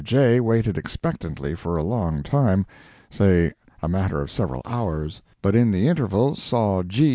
J. waited expectantly for a long time, say a matter of several hours, but in the interval saw G.